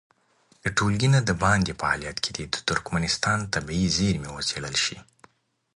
د ټولګي نه د باندې فعالیت کې دې د ترکمنستان طبیعي زېرمې وڅېړل شي.